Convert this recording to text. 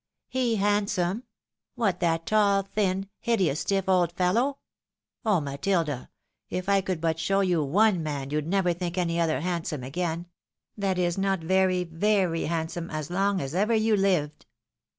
" He handsome? — what that tall, thin, hideous, stiflf old fel low ? Oh, Matilda ! if I could but show you one man, you'd never think any other handsome again — ^that is, not very, very handsome, as long as ever you hved."